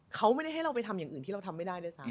เขาไม่ได้ให้เราไปทำอย่างอื่นที่เราทำไม่ได้ด้วยซ้ำ